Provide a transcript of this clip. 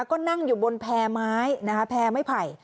ก็นั่งอยู่บนแพงไม้แพงไม้ไผ่